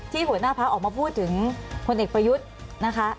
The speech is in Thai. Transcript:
หัวหน้าพักออกมาพูดถึงพลเอกประยุทธ์นะคะ